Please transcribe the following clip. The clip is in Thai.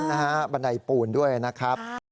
๓๐ขั้นบันไดปูนด้วยนะครับ